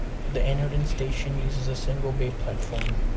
The Enoden station uses a single bay platform.